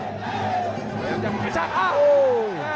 พยายามจะกระชากอ้าว